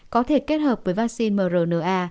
có thể kết hợp với vaccine mrna